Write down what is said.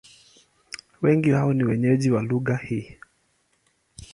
Wengi wao ni wenyeji wa lugha hii.